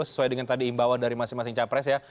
sesuai dengan tadi imbauan dari masing masing capres ya